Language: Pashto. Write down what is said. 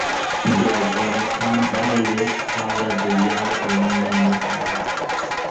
د افغانستان هره لویشت خاوره د ویاړ او مینې نښه ده.